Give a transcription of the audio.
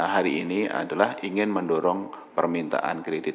hari ini adalah ingin mendorong permintaan kredit